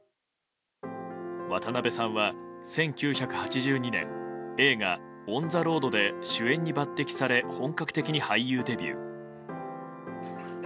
渡辺さんは１９８２年映画「オン・ザ・ロード」で主演に抜擢され本格的に俳優デビュー。